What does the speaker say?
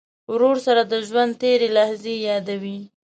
ورور سره د ژوند تېرې لحظې یادوې.